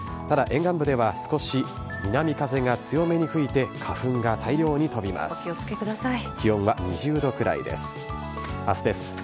ただ沿岸部では少し南風が強めに吹いて、花粉が大量に飛びます。